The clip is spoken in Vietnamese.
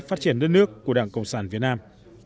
phát triển đất nước của đảng cộng sản việt nam